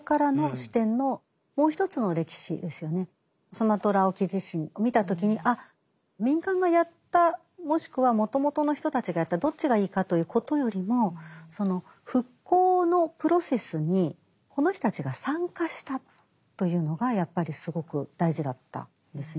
スマトラ沖地震を見た時にあっ民間がやったもしくはもともとの人たちがやったどっちがいいかということよりもその復興のプロセスにこの人たちが参加したというのがやっぱりすごく大事だったんですね。